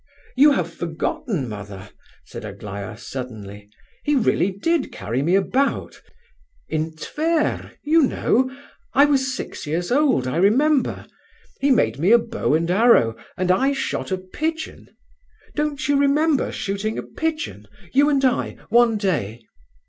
"You have forgotten, mother," said Aglaya, suddenly. "He really did carry me about,—in Tver, you know. I was six years old, I remember. He made me a bow and arrow, and I shot a pigeon. Don't you remember shooting a pigeon, you and I, one day?"